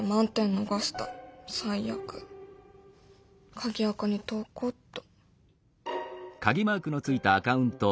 鍵アカに投稿っと。